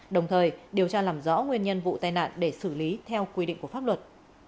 đồng thời điều tra làm rõ nguyên nhân vụ tai nạn để xử lý theo quy định của pháp luật